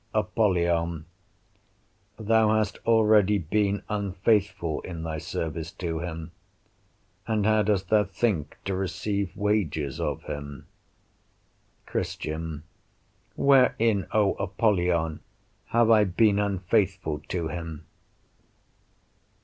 Apollyon Thou hast already been unfaithful in thy service to him, and how dost thou think to receive wages of him? Christian Wherein, O Apollyon, have I been unfaithful to him?